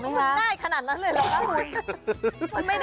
ง่ายขนาดนั้นเลยแล้วก็รู้